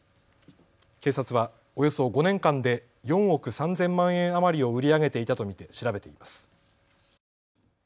警察はおよそ５年間で４億３０００万円余りを売り上げていたと見て調べています。